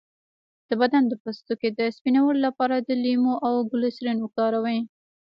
د بدن د پوستکي د سپینولو لپاره د لیمو او ګلسرین وکاروئ